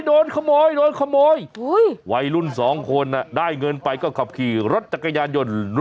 โดนขโมยโดนขโมยวัยรุ่น๒คนได้เงินไปก็ขับขี่รถจักรยานยนต์